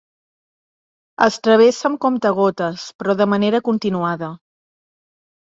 Es travessa amb comptagotes, però de manera continuada.